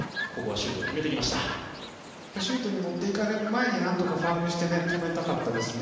シュートに持っていかれる前に何とかファウルして止めたかったですね。